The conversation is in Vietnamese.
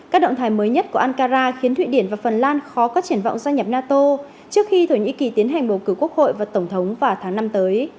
các động thái mới nhất của ankara khiến thụy điển và phần lan khó có triển vọng gia nhập nato trước khi thổ nhĩ kỳ tiến hành bầu cử quốc hội và tổng thống vào tháng năm tới